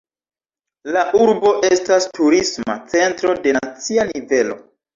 La urbo estas turisma centro de nacia nivelo.